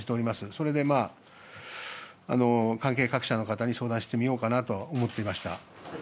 それで、関係各社の方に相談してみようかなと思っていました。